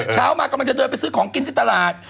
เช้ามากำลังจะเดินไปซื้อของกินที่ตลาด